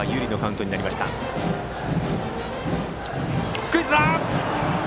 スクイズだ！